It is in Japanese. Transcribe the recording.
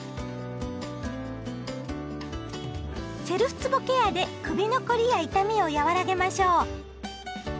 セルフつぼケアで首の凝りや痛みを和らげましょう。